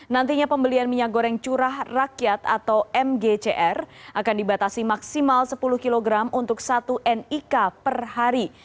nantinya pembelian minyak goreng curah rakyat atau mgcr akan dibatasi maksimal sepuluh kg untuk satu nik per hari